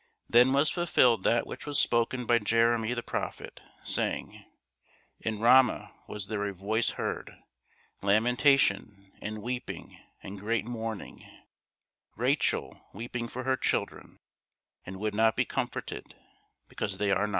Then was fulfilled that which was spoken by Jeremy the prophet, saying, In Rama was there a voice heard, lamentation, and weeping, and great mourning, Rachel weeping for her children, and would not be comforted, because they are not.